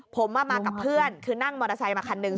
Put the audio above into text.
ผมมากับเพื่อนคือนั่งมอเตอร์ไซค์มาคันหนึ่ง